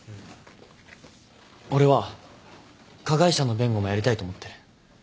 俺は加害者の弁護もやりたいと思ってる。